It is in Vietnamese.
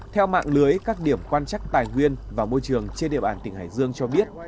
theo mạng lưới các điểm quan trắc tài nguyên và môi trường trên địa bàn tỉnh hải dương cho biết